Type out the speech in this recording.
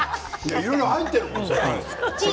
いろいろ入ってるから！